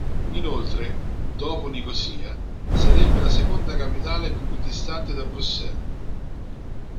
Inoltre, dopo Nicosia, sarebbe la seconda capitale più distante da Bruxelles.